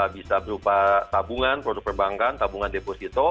bisa berupa tabungan produk perbankan tabungan deposito